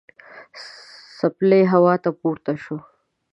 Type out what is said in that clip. څپلۍ هوا ته پورته شوه.